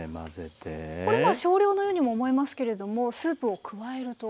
これまあ少量のようにも思いますけれどもスープを加えると。